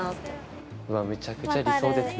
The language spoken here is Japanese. うわめちゃくちゃ理想ですね。